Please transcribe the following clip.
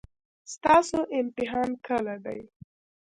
ستاسو امتحان کله دی؟